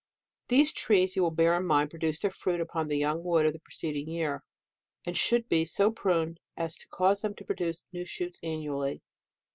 These trees, you will bear in mind, pro duce their fruit upon the young wood of the preceding year, and should be so pruned as to cause them to produce new shoots annu ally.